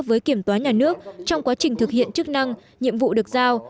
với kiểm toán nhà nước trong quá trình thực hiện chức năng nhiệm vụ được giao